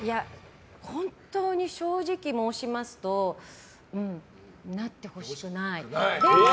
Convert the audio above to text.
本当に正直申しますとなってほしくない。